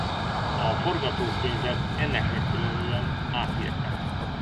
A forgatókönyvet ennek megfelelően átírták.